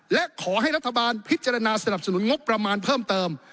และขอให้รัฐบาลพิจารณาสนับสนุนงบประมาณเพิ่มเติม